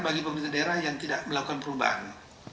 bagi pemerintah daerah yang tidak melakukan perubahan